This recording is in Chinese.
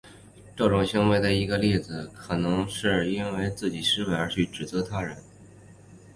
这种行为的一个例子可能是因为自己失败而去指责他人。